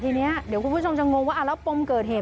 ทีนี้เดี๋ยวคุณผู้ชมจะงงว่าแล้วปมเกิดเหตุ